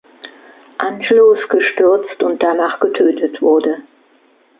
Angelos gestürzt und danach getötet wurde.